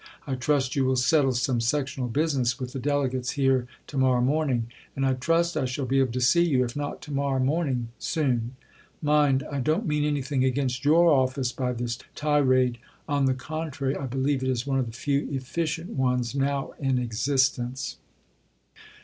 I trust you will settle some sectional business with the Delegates here to morrow morning. And I trust I shall be able to see you, if not to morrow morning, soon. Mind, I don't mean anything against your Office by this tirade. On the contrary, I believe it is one of the few efficient ones now in existence.